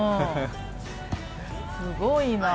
すごいなぁ。